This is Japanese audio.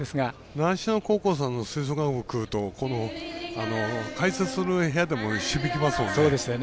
習志野高校さんの吹奏楽さんって解説する部屋でも響きますもんね。